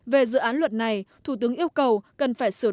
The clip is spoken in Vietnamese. về dự án luật này thủ tướng yêu cầu cần phải sửa đổi